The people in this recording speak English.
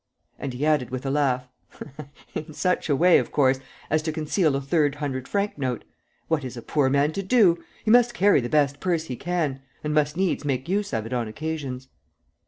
And he added, with a laugh, "In such a way, of course, as to conceal a third hundred franc note. ... What is a poor man to do? He must carry the best purse he can ... and must needs make use of it on occasions.